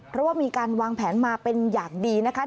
เพราะว่ามีการวางแผนมาเป็นอย่างดีนะคะ